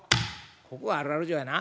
ここがあるある城やな。